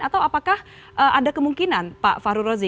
atau apakah ada kemungkinan pak farurozi